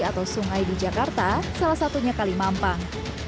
atau sungai di jakarta salah satunya kalimampang